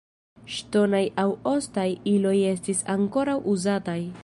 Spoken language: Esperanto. Ŝtonaj aŭ ostaj iloj estis ankoraŭ uzataj.